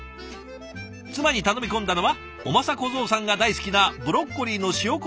妻に頼み込んだのはおまさ小僧さんが大好きなブロッコリーの塩コショウ炒め。